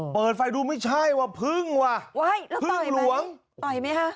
เปิดไฟดูไม่ใช่ว่าพึงว่าไว้แล้วต่อยไปพึงหลวงต่อยไหมฮะ